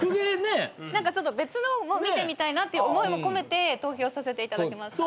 何かちょっと別のも見てみたいなっていう思いも込めて投票させていただきました。